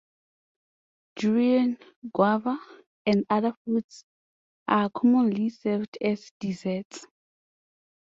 Durian, guava, and other fruits are commonly served as desserts.